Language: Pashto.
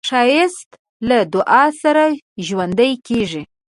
ښایست له دعا سره ژوندی کېږي